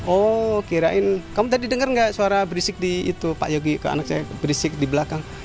oh kirain kamu tadi dengar nggak suara berisik di itu pak yogi ke anak saya berisik di belakang